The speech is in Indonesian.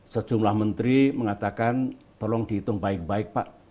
sejumlah menteri mengatakan tolong dihitung baik baik pak